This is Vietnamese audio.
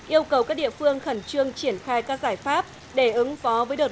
yêu cầu các địa phương khẩn trương triển khai các giải pháp để ứng phó với đợt